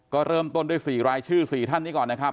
ก็เริ่มต้นด้วย๔รายชื่อ๔ท่านนี้ก่อนนะครับ